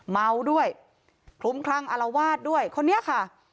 เมาด้วยคลุ้มคลั่งอารวาสด้วยคนนี้ค่ะ